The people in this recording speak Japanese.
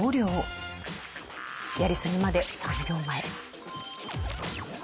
やりすぎまで３秒前。